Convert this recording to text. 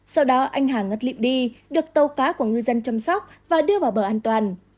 sau đó anh hà ngất lịm đi được tàu cá của ngư dân chăm sóc và đưa vào bờ an toàn